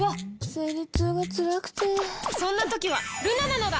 生理痛がつらくてそんな時はルナなのだ！